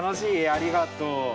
ありがとう。